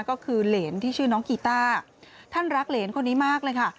ก็คือเหรนที่ชื่อน้องกีต้าท่านรักเหรนคนนี้มากเลยค่ะ